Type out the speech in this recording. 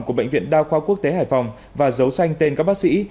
của bệnh viện đa khoa quốc tế hải phòng và giấu xanh tên các bác sĩ